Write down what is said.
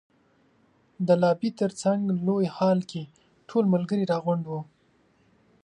د لابي تر څنګ لوی هال کې ټول ملګري را غونډ وو.